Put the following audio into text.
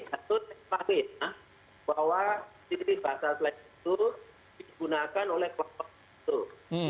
harus disikapi bahwa bahasa slang itu digunakan oleh kelompok itu